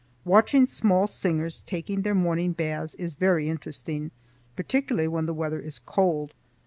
Watching small singers taking their morning baths is very interesting, particularly when the weather is cold.